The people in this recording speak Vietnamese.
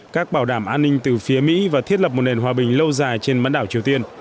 các bảo đảm an ninh từ phía mỹ và thiết lập một nền hòa bình lâu dài trên bán đảo triều tiên